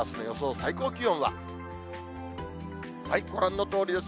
最高気温は、ご覧のとおりです。